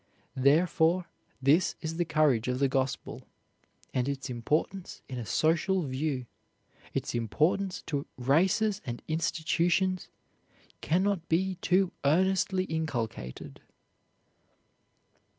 Therefore, this is the courage of the Gospel; and its importance in a social view its importance to races and institutions cannot be too earnestly inculcated."